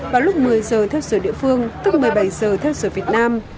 vào lúc một mươi giờ theo giờ địa phương tức một mươi bảy giờ theo sở việt nam